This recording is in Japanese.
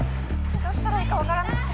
どうしたらいいかわからなくて！